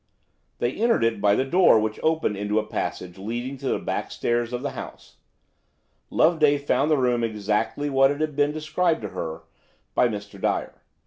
They entered it by the door which opened into a passage leading to the back stairs of the house. Loveday found the room exactly what it had been described to her by Mr. Dyer.